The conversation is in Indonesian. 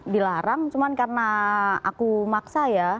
dilarang cuma karena aku maksa ya